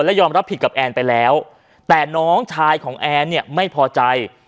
และยอมรับผิดกับแอนไปแล้วแต่น้องชายของแอนเนี่ยไม่พอใจ